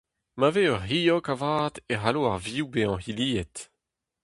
Ma vez ur c'hilhog avat e c'hallo ar vioù bezañ hiliet.